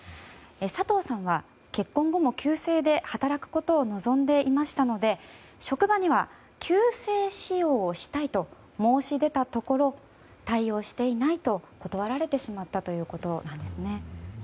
佐藤さんは結婚後も旧姓で働くことを望んでいましたので職場には旧姓使用をしたいと申し出たところ対応していないと断られてしまったということなんです。